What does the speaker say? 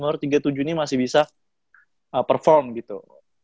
makanya dia di umur tiga puluh tujuh ini masih bisa perform gitu